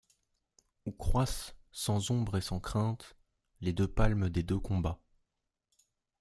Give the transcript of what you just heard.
Où croissent, sans ombre et sans crainte, Les deux palmes des deux combats!